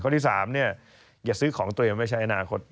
ข้อที่๓อย่าซื้อของเตรียมไว้ใช้อนาคต